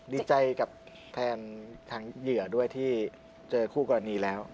ดีใจกับแทนทางเหยื่อด้วยที่เจอคู่กรณีแล้ว